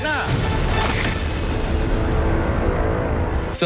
ชุวิตแสดหน้า